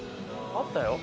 あったよ